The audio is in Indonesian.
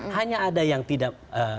hanya ada yang tidak